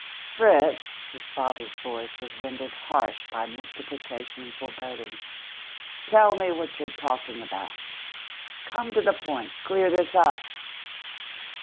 "Fritz," his father's voice was rendered harsh by mystification and foreboding, "tell me what you're talking about. Come to the point. Clear this up."